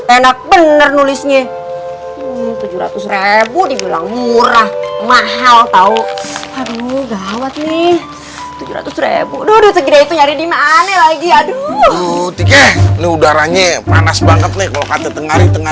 enak bener nulisnya tujuh ratus rebu dibilang murah mahal tahu aduh gawat nih